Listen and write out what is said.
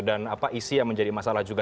dan apa isi yang menjadi masalah juga